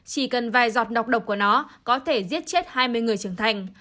chỉ cần vài giọt nọc độc của nó có thể giết chết hai mươi người trưởng thành